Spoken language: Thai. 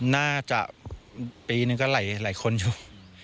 น่าจะปีหนึ่งก็ไหลคนอยู่